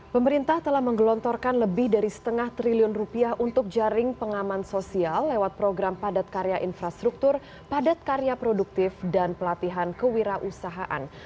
pemerintah telah menggelontorkan lebih dari setengah triliun rupiah untuk jaring pengaman sosial lewat program padat karya infrastruktur padat karya produktif dan pelatihan kewirausahaan